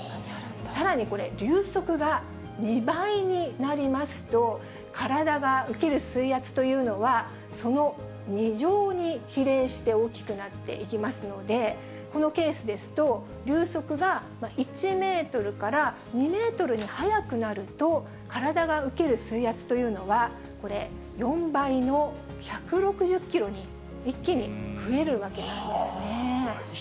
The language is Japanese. さらにこれ、流速が２倍になりますと、体が受ける水圧というのは、その２乗に比例して大きくなっていきますので、このケースですと、流速が１メートルから２メートルに速くなると、体が受ける水圧というのは、これ、４倍の１６０キロに一気に増えるわけなんですね。